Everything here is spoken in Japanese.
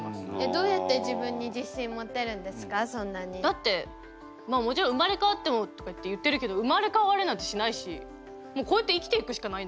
だってまあもちろん生まれ変わってもとかって言ってるけど生まれ変われなんてしないしもうこうやって生きていくしかないんだから。